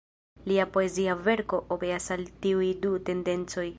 Lia poezia verko obeas al tiuj du tendencoj.